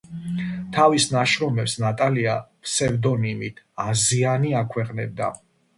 თავის ნაშრომებს ნატალია ფსევდონიმით „აზიანი“ აქვეყნებდა.